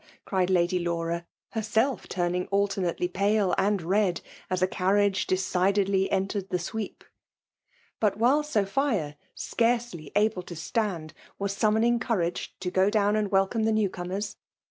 '* cried Lady Laura; her self turning alternately pale and red, as a car riage decidedly entered the sweep. But while Sophia^ scarcely able to stand, was summoning courage to go down and welcome the new comers.